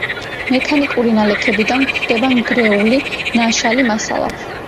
მექანიკური ნალექებიდან გვხვდება ნგრეული და ნაშალი მასალა.